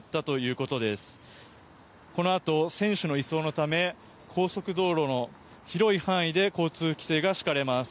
このあと選手の移送のため高速道路の広い範囲で交通規制が敷かれます。